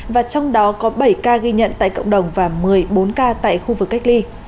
và trong đó có bảy ca ghi nhận tại cộng đồng và một mươi bốn ca tại khu vực cách ly